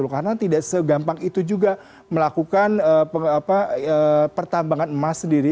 karena tidak segampang itu juga melakukan pertambangan emas sendiri